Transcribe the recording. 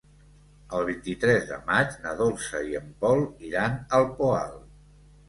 El vint-i-tres de maig na Dolça i en Pol iran al Poal.